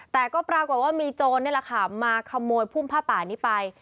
แต่ก็ปรากฏว่ามีโจรนี่แหละค่ะมาขโมยพุ่มผ้าป่านี้ไป